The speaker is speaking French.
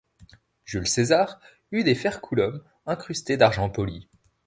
Jules César eut des ferculum incrustés d'argent poli.